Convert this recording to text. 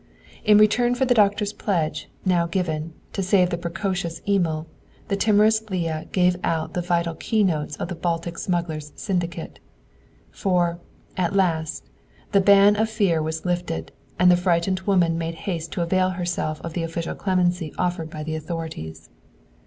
In return for the Doctor's pledge, now given, to save the precocious Emil, the timorous Leah gave out the vital keynotes of the Baltic smugglers' syndicate. For, at last, the ban of fear was lifted, and the frightened woman made haste to avail herself of the official clemency offered by the authorities.